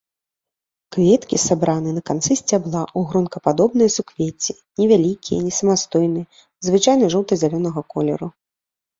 Кветкі сабраны на канцы сцябла ў гронкападобнае суквецце, невялікія, несамастойныя, звычайна жоўта-зялёнага колеру.